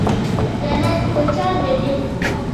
جنت د چا ځای دی؟